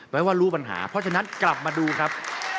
ไว้ว่ารู้ปัญหาเพราะฉะนั้นกลับมาดูครับ